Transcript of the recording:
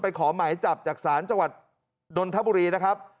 ขอหมายจับจากศาลจังหวัดนนทบุรีนะครับ